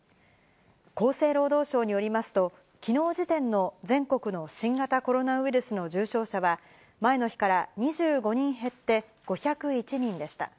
厚生労働省によりますと、きのう時点の全国の新型コロナウイルスの重症者は、前の日から２５人減って５０１人でした。